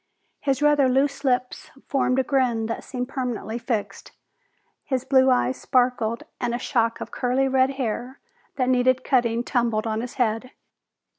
His rather loose lips formed a grin that seemed permanently fixed. His blue eyes sparked and a shock of curly red hair that needed cutting tumbled on his head.